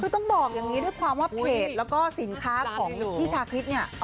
คือต้องบอกอย่างนี้ด้วยความว่าเพจแล้วก็สินค้าของพี่ชาคริสเนี่ย